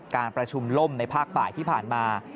การประชุมล่มในภาคบ่ายที่ผ่านมา